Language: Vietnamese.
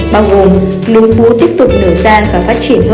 bao gồm nung vú tiếp tục nở ra và phát triển hơn